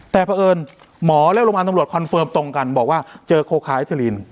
แต่เพราะเอิญหมอและโรงพยาบาลตำรวจตรงกันบอกว่าเจอโคคาร์แอธาลีน